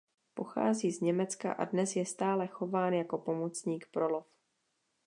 Pochází z Německa a dnes je stále chován jako pomocník pro lov.